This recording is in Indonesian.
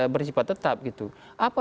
bersifat tetap gitu apa